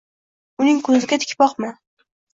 Uning ko’ziga tik boqma.